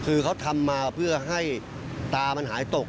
คือเขาทำมาเพื่อให้ตามันหายตก